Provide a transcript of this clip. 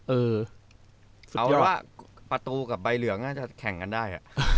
เออเอาแค่ว่าประตูกับใบเหลืองน่าจะแข่งกันได้